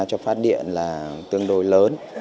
cho phát điện là tương đối lớn